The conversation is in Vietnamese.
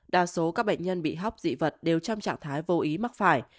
đa số các bệnh nhân bị hóc dị vật đều trong trạng thái vô ý mắc phải